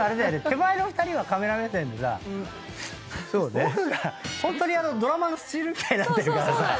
手前の２人はカメラ目線でさ奥がホントにドラマのスチールみたいになってるからさ。